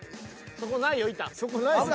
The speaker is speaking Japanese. そこないよ板。